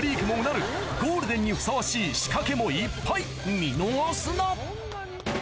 もうなるゴールデンにふさわしい仕掛けもいっぱい見逃すな！